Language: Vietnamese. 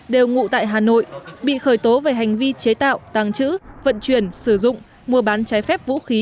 đều ngụ tại hà nội bị khởi tố về hành vi chế tạo tàng trữ vận chuyển sử dụng mua bán trái phép vũ khí